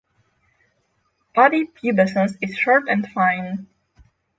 Body pubescence is short and fine.